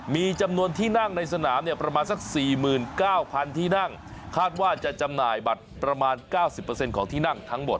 มีจำนวนที่นั่งในสนามเนี่ยประมาณสัก๔๙๐๐ที่นั่งคาดว่าจะจำหน่ายบัตรประมาณ๙๐ของที่นั่งทั้งหมด